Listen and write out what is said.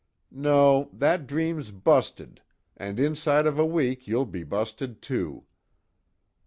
No, that dream's busted and inside of a week you'll be busted, too."